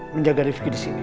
menjaga rifqi di sini